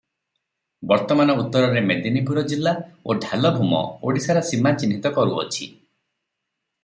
ବର୍ତ୍ତମାନ ଉତ୍ତରରେ ମେଦିନୀପୁର ଜିଲ୍ଲା ଓ ଢ଼ାଲଭୂମ ଓଡ଼ିଶାର ସୀମା ଚିହ୍ନିତ କରୁଅଛି ।